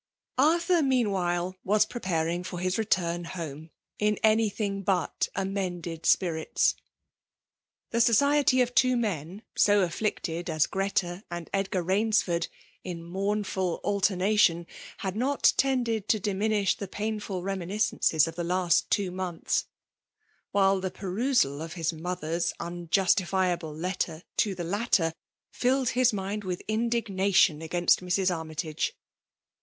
Arthur, meanwhile, was preparing for his return honie, in anything but amended spirits. The society of two men, so afflicted as Greta and Edga^ Bainsford, in mournful alternation, had not tended to' diminish the painful re miniscences of the last'two months ; while the perusal of his mother's unjustifiable letter to the latter, filled his mind with indignation against Mrs. Armytage.